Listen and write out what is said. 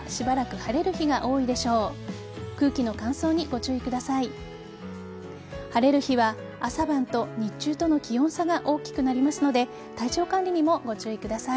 晴れる日は朝晩と日中との気温差が大きくなりますので体調管理にもご注意ください。